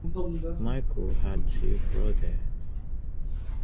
Michael had two brothers.